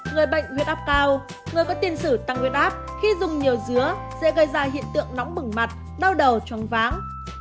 người bệnh huyết áp cao người có tiền sử tăng huyết áp khi dùng nhiều dứa sẽ gây ra hiện tượng nóng bừng mặt đau đầu chóng váng